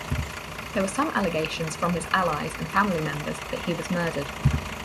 There were some allegations from his allies and family members that he was murdered.